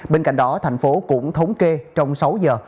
bên cạnh đó thành phố cũng thống kê trong sáu giờ